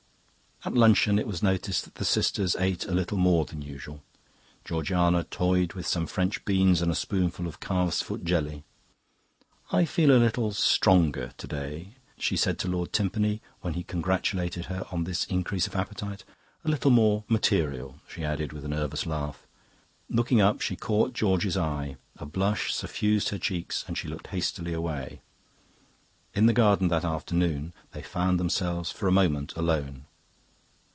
"At luncheon it was noticed that the sisters ate a little more than usual. Georgiana toyed with some French beans and a spoonful of calves' foot jelly. 'I feel a little stronger to day,' she said to Lord Timpany, when he congratulated her on this increase of appetite; 'a little more material,' she added, with a nervous laugh. Looking up, she caught George's eye; a blush suffused her cheeks and she looked hastily away. "In the garden that afternoon they found themselves for a moment alone.